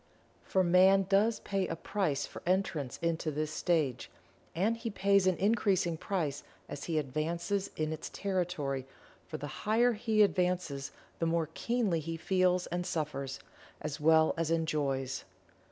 For Man does pay a price for entrance into this stage and he pays an increasing price as he advances in its territory, for the higher he advances the more keenly he feels and suffers, as well as enjoys.